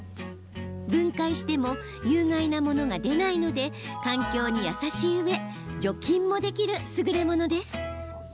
分解しても有害なものが出ないので環境に優しいうえ、除菌もできるすぐれものです。